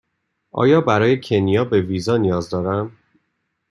آیا برای کنیا به ویزا نیاز دارم؟